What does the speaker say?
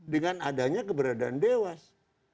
dengan adanya keberadaan dewas